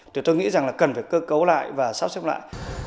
thì tôi nghĩ rằng là cần phải cơ cấu lại và sắp xếp lại